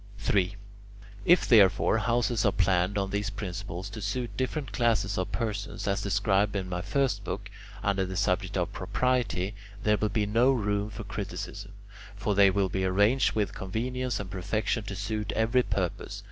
3. If, therefore, houses are planned on these principles to suit different classes of persons, as prescribed in my first book, under the subject of Propriety, there will be no room for criticism; for they will be arranged with convenience and perfection to suit every purpose.